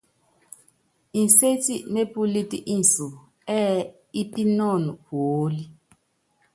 Inséti mépúlít inso ɛ́ɛ ípínɔn puólí.